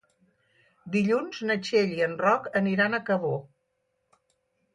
Dilluns na Txell i en Roc aniran a Cabó.